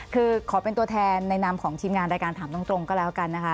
คือขอเป็นตัวแทนในนามของทีมงานรายการถามตรงก็แล้วกันนะคะ